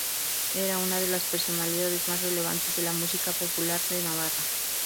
Era una de las personalidades más relevantes de la música popular de Navarra.